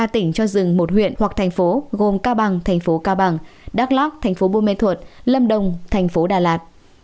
ba tỉnh cho dừng một huyện hoặc thành phố gồm cao bằng thành phố cao bằng đắk lóc thành phố bôm mê thuật lâm đồng thành phố đà lạt